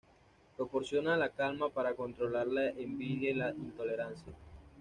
Proporciona la calma para controlar la envidia y la intolerancia.